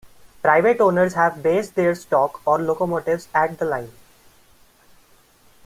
Private owners have based their stock or locomotives at the line.